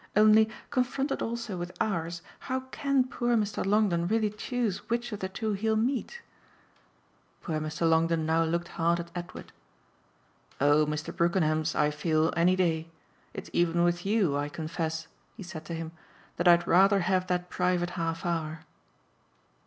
Only, confronted also with ours, how can poor Mr. Longdon really choose which of the two he'll meet?" Poor Mr. Longdon now looked hard at Edward. "Oh Mr. Brookenham's, I feel, any day. It's even with YOU, I confess," he said to him, "that I'd rather have that private half hour."